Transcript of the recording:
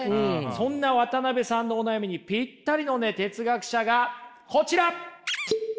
そんな渡辺さんのお悩みにぴったりのね哲学者がこちら！